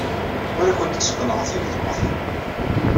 Ur awent-tteqqneɣ tigeḍmatin.